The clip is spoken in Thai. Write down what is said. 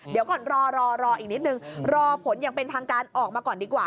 เดี๋ยวก่อนรอรออีกนิดนึงรอผลอย่างเป็นทางการออกมาก่อนดีกว่า